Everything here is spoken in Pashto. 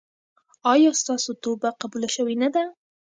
ایا ستاسو توبه قبوله شوې نه ده؟